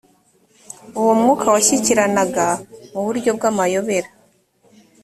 uwo mwuka washyikiranaga mu buryo bw’amayobera